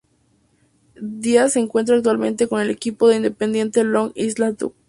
Díaz se encuentra actualmente con el equipo independiente Long Island Ducks.